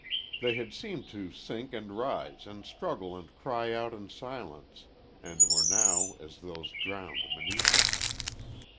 They had seemed to sink and rise and struggle and cry out in the silence, and were now as those drowned beneath it.